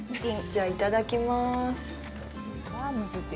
じゃあ、いただきます。